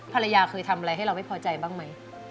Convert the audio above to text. ภรรยาเคยทำอะไรให้เราไม่พอใจบ้างไหม